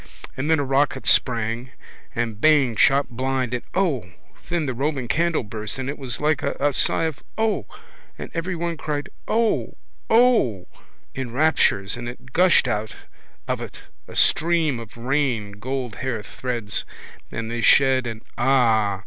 And then a rocket sprang and bang shot blind blank and O! then the Roman candle burst and it was like a sigh of O! and everyone cried O! O! in raptures and it gushed out of it a stream of rain gold hair threads and they shed and ah!